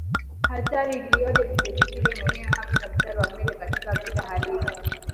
Hatari iliyoje Kinjekitile mwenyewe hakwenda mstari wa mbele katika vita halisi